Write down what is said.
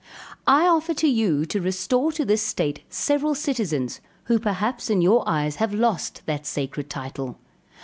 I offer to you to restore to this state several citizens, who perhaps in your eyes have lost that sacred title.